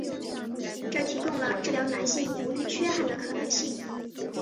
这提供了治疗男性不育缺憾的可能性。